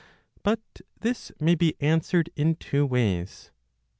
But this may be answered in two ways.